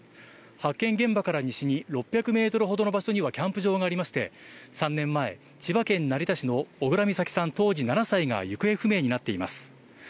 発見現場から西に６００メートルほどの場所にはキャンプ場がありまして、３年前、千葉県成田市の小倉美咲さん当時７歳が行方不明になっています。